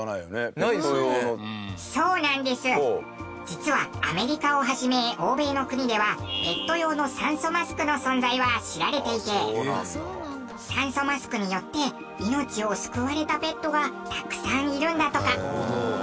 実はアメリカをはじめ、欧米の国ではペット用の酸素マスクの存在は知られていて酸素マスクによって命を救われたペットがたくさんいるんだとか。